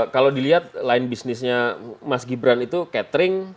kalau dilihat lain bisnisnya mas gibran itu catering